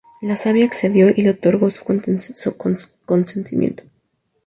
La sabia accedió y le otorgó su consentimiento.